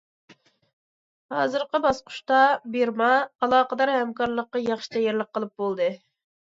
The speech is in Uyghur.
ھازىرقى باسقۇچتا بىرما ئالاقىدار ھەمكارلىققا ياخشى تەييارلىق قىلىپ بولدى.